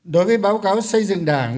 đối với báo cáo xây dựng đảng